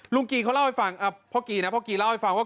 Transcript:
กีเขาเล่าให้ฟังพ่อกีนะพ่อกีเล่าให้ฟังว่า